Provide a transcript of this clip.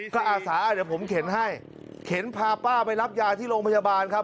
ก็อาสาเดี๋ยวผมเข็นให้เข็นพาป้าไปรับยาที่โรงพยาบาลครับ